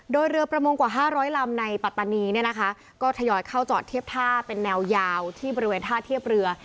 โดยเรือประมงกว่า๕๐๐ลำในปัตตานีเนี่ยนะคะก็ทยอยเข้าจอดเทียบท่าเป็นแนวยาวที่บริเวณท่าเทียบเรือ